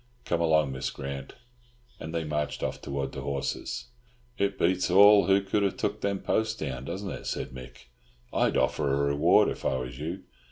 "Come along, Miss Grant." And they marched off towards the horses. "It beats all who could have took them posts down, doesn't it?" said Mick. "I'd offer a reward, if I was you.